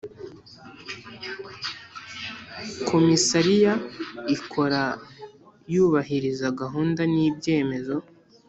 Komisariya ikora yubahiriza gahunda n ibyemezo